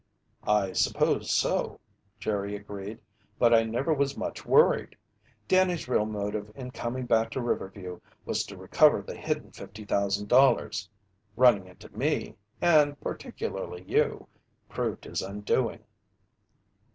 "I suppose so," Jerry agreed, "but I never was much worried. Danny's real motive in coming back to Riverview was to recover the hidden $50,000. Running into me and particularly you proved his undoing."